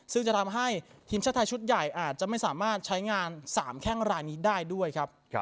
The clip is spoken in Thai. ซึ่งจะทำให้ทีมชาติไทยชุดใหญ่อาจจะไม่สามารถใช้งาน๓แข้งรายนี้ได้ด้วยครับ